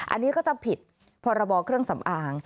อันนี้ก็จะผิดพรบเครื่องสำอาง